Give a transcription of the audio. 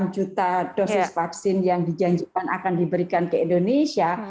delapan juta dosis vaksin yang dijanjikan akan diberikan ke indonesia